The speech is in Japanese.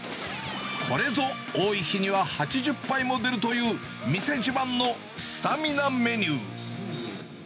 これぞ多い日には８０杯も出るという、店自慢のスタミナメニュー。